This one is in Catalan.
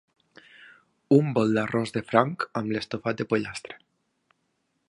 Un bol d'arròs de franc amb l'estofat de pollastre.